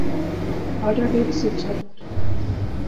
heart attack سے چھٹ